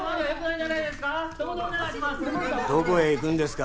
どこへ行くんですか？